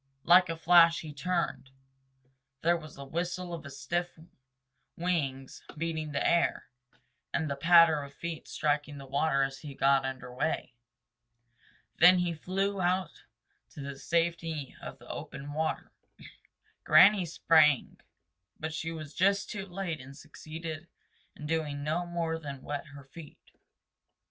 Like a flash he turned. There was the whistle of stiff wings beating the air and the patter of feet striking the water as he got under way. Then he flew out to the safety of the open water. Granny sprang, but she was just too late and succeeded in doing no more than wet her feet.